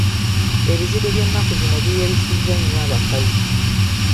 Ebizigo by'ennaku zino biyerusizza nnyo abakazi.